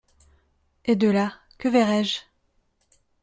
Et de là, que verrai-je ?…